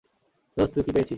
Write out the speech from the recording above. দোস্ত, তুই কি পেয়েছিস?